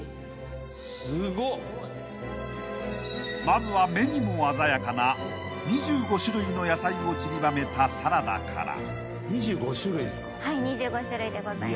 ［まずは目にも鮮やかな２５種類の野菜をちりばめたサラダから］